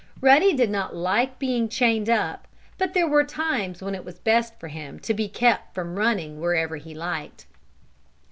Ruddy did not like being chained up, but there were times when it was best for him to be kept from running wherever he liked.